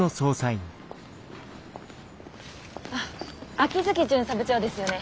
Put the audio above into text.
秋月巡査部長ですよね。